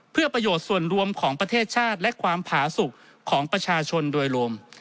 เพื่อประโยชน์ส่วนรวมของประเทศชาติและความผาสุขของประชาชนโดยรวม